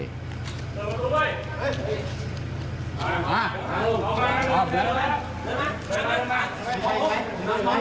เป็นทั้งหมดเลยค่ะ